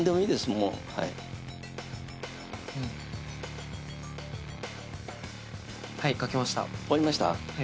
もうはい書けました終わりました？